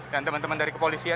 teman teman dari kepolisian